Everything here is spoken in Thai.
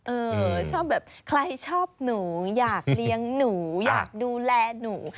เออชอบแบบใครชอบหนูอยากเลี้ยงหนูอยากดูแลหนู